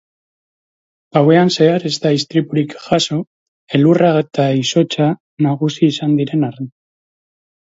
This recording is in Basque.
Gauean zehar ez da istripurik jazo elurra eta izotza nagusi izan diren arren.